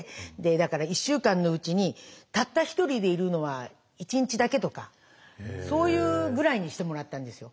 だから１週間のうちにたった一人でいるのは１日だけとかそういうぐらいにしてもらったんですよ。